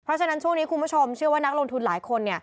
เพราะฉะนั้นช่วงนี้คุณผู้ชมเชื่อว่านักลงทุนหลายคน